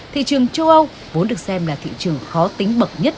thị trường châu âu vốn được xem là thị trường khó tính bậc nhất